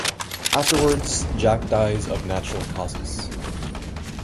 Afterwards, Jack dies of natural causes.